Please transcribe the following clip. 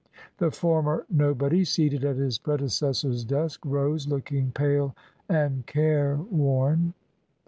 The former nobody, seated at his predecessor's desk, rose, looking pale and careworn.